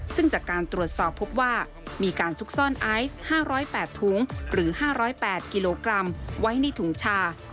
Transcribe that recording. ซึ่งจากการตรวจสอบพบว่ามีการซุกซ่อนไอซ์๕๐๘ถุงหรือ๕๐๘กิโลกรัมไว้ในถุงชา